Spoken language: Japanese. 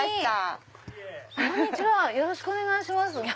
よろしくお願いします。